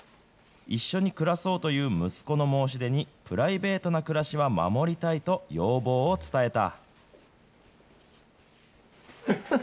一緒に暮らそうという息子の申し出に、プライベートな暮らしは守りたいと要望を伝えた。